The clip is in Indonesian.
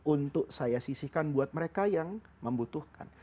untuk saya sisihkan buat mereka yang membutuhkan